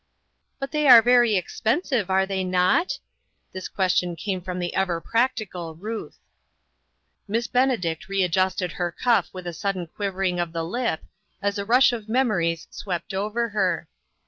" But they are very expensive, are they not? " This question came from the ever practical Ruth. Miss Benedict readjusted her cuff with a sudden quivering of the lip, as a rush of memories swept over her.